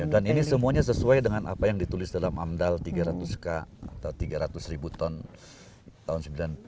dan ini semuanya sesuai dengan apa yang ditulis dalam amdal tiga ratus k atau tiga ratus ribu ton tahun sembilan puluh tujuh sembilan puluh tujuh